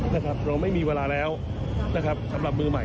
และมั่นใจว่าเราจะผ่านสระแบบแดดสะร้าย